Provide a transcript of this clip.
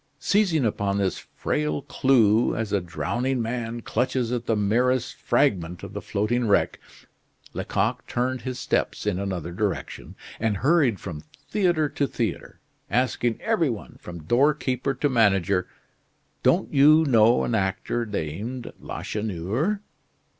Seizing upon this frail clue, as a drowning man clutches at the merest fragment of the floating wreck, Lecoq turned his steps in another direction, and hurried from theatre to theatre, asking every one, from doorkeeper to manager: "Don't you know an actor named Lacheneur?"